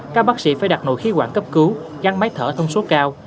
các bác sĩ phải đặt nội khí quản cấp cứu gắn máy thở thông số cao